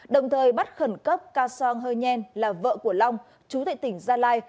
đồng thời bắt khẩn cấp ca song hơ nhen là vợ của long chú tệ tỉnh gia lai